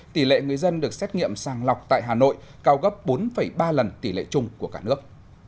tỷ lệ người dân được xét nghiệm sàng lọc tại hà nội cao gấp bốn ba lần tỷ lệ chung của cả nước